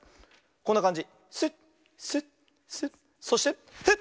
こんなかんじ。